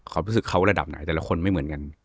ความรู้สึกเขาระดับไหนแต่ละคนไม่เหมือนกัน